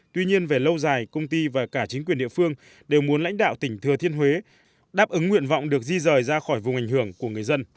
tuy nhiên về lâu dài công ty và cả chính quyền địa phương đều muốn lãnh đạo tỉnh thừa thiên huế đáp ứng nguyện vọng được di rời ra khỏi vùng ảnh hưởng của người dân